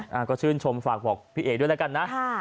ถูกต้องก็ชื่นชมฝากบอกพี่เอ๊คด้วยแล้วกันนะ